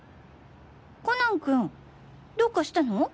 コナン君どうかしたの？